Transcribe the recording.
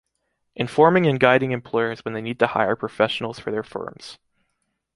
Informing and guiding employers when they need to hire professionals for their firms.